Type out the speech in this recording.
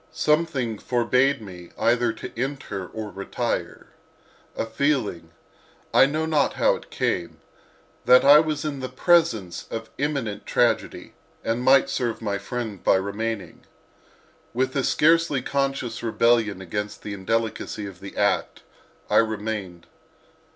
Something forbade me either to enter or to retire, a feeling—I know not how it came—that I was in the presence of an imminent tragedy and might serve my friend by remaining. With a scarcely conscious rebellion against the indelicacy of the act I remained.